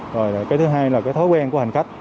rồi cái thứ hai là cái thói quen của hành khách